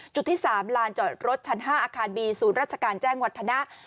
ที่๓ลานจอดรถชั้น๕อาคารบีศูนย์ราชการแจ้งวัฒนะ